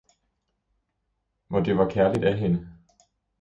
Hvor det var kærligt af hende!